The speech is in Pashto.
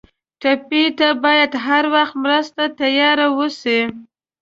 ټپي ته باید هر وخت مرستې ته تیار ووسو.